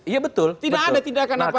iya betul tidak ada tidak akan apa apa